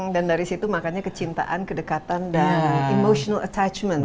dan dari situ makanya kecintaan kedekatan dan emotional attachment